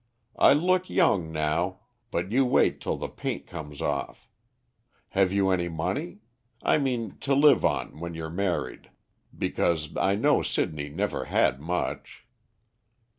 I look young now, but you wait till the paint comes off. Have you any money? I mean, to live on when you're married; because I know Sidney never had much."